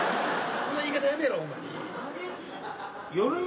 そんな言い方やめろほんまに。